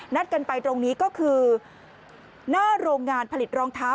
กันไปตรงนี้ก็คือหน้าโรงงานผลิตรองเท้า